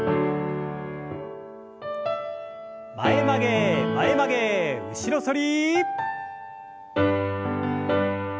前曲げ前曲げ後ろ反り。